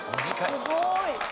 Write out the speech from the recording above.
すごーい！